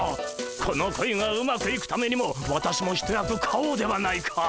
この恋がうまくいくためにも私も一役買おうではないか。